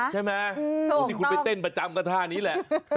ใช่ไหมที่คุณไปเต้นประจำก็ท่านี้แหละ